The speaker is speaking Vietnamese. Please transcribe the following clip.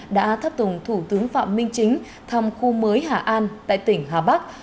đã thắp tùng thủ tướng phạm minh chính thăm khu mới hà an tại tỉnh hà bắc